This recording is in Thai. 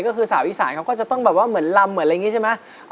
ก็คือสาวอีสานเขาก็จะต้องแบบว่าเหมือนลำเหมือนอะไรอย่างนี้ใช่ไหม